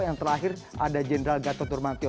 yang terakhir ada jenderal gatotur manti